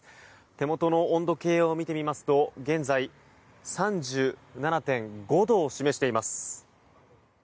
手元の温度計を見てみますと現在３７．５度を示しています。